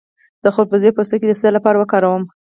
د خربوزې پوستکی د څه لپاره وکاروم؟